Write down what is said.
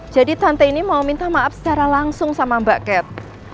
tante ini mau minta maaf secara langsung sama mbak cat